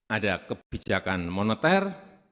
ada kebijakan moneter